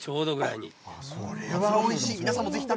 これはおいしい。